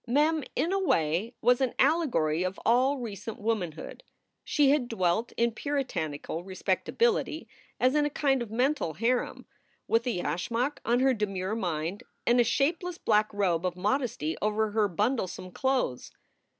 Mem in a way was an allegory of all recent womanhood. She had dwelt in Puritanical respectability as in a kind of mental harem, with a yashmak on her demure mind and a shapeless black robe of modesty over her bundlesome clothes.